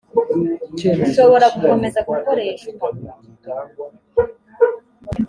ushobora gukomeza gukoreshwa